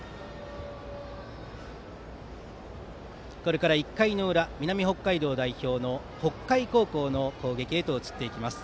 これから１回の裏南北海道代表の北海高校の攻撃へと移ります。